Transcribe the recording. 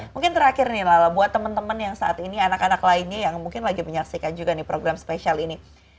mungkin terakhir nih lala buat teman teman yang saat ini anak anak lainnya yang mungkin lagi menyaksikan juga nih program spesial ini